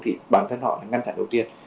thì bản thân họ ngăn chặn đầu tiên